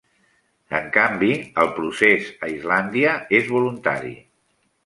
En canvi, el procés a Islàndia és voluntari.